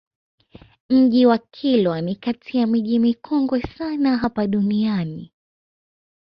Mji wa Kilwa ni kati ya miji mikongwe sana hapa duniani